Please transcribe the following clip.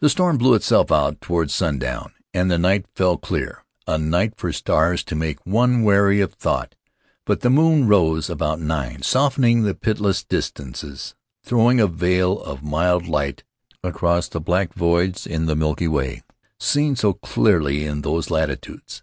The storm blew itself out toward sundown and the night fell clear — a night for stars to make one wary of thought; but the moon rose about nine, softening the pitiless distances, throwing a veil of mild light across the black voids in the Milky Way, seen so clearly in those latitudes.